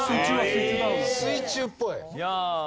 水中っぽい。